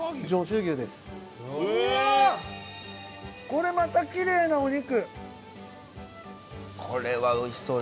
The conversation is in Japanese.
これまたキレイなお肉。